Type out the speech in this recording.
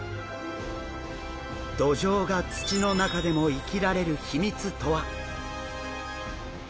ドジョウが土の中でも生きられる秘密とは？